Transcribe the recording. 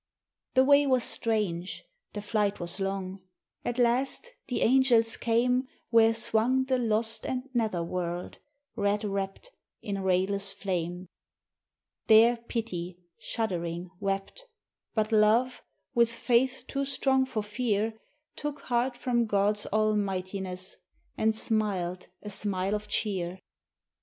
The way was strange, the flight was long; at last the angels came Where swung the lost and nether world, red wrapped in rayless flame. There Pity, shuddering, wept; but Love, with faith too strong for fear, Took heart from God's almightiness and smiled a smile of cheer.